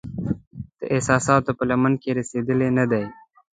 د احساساتو په لمن کې رسیدلې نه دی